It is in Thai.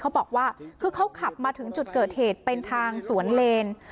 เขาบอกว่าคือเขาขับมาถึงจุดเกิดเหตุเป็นทางสวนเลน